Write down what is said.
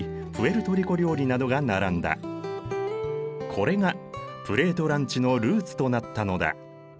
これがプレートランチのルーツとなったのだ。